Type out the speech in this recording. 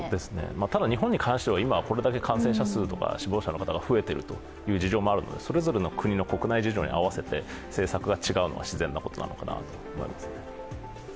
ただ日本に関しては、これだけ感染者数とか死亡者が増えているという事情もあるのでそれぞれの国の国内事情に合わせて政策が違うのは自然なことなのかなと思います。